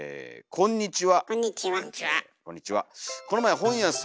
こんにちは。